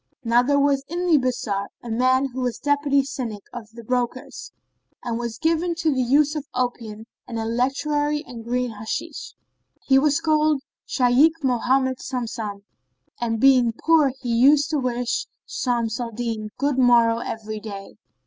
Now there was in the bazar a man who was Deputy Syndic of the brokers and was given to the use of opium and electuary and green hashish.[FN#28] He was called Shaykh Mohammed Samsam and being poor he used to wish Shams al Din good morrow every day.